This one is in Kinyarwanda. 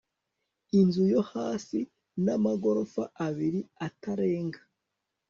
inzu yo hasi n amagorofa abiri atarenga